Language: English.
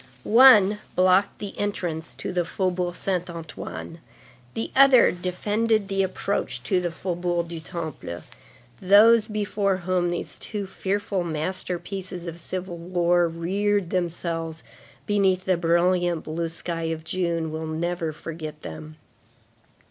One blocked the entrance to the Faubourg Saint Antoine; the other defended the approach to the Faubourg du Temple; those before whom these two fearful masterpieces of civil war reared themselves beneath the brilliant blue sky of June, will never forget them.